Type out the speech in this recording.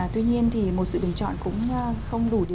tuy nhiên thì một sự bình chọn cũng không đủ điều kiện